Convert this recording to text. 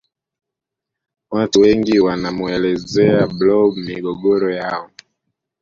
watu wengi wanamuelezea blob migogoro yao